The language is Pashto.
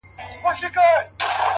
• څه مي ارام پرېږده ته،